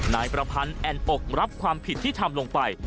นายประพันธ์แอ่นอกรับความผิดที่ทำลงไป